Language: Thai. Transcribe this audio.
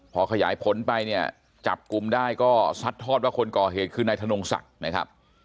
พอขยายผลไปเนี่ยจับกลุ่มได้ก็ซัดทอดว่าคนก่อเหตุคือนายธนงศักดิ์นะครับ